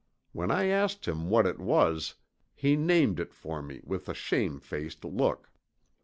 When I asked him what it was he named it for me with a shame faced look.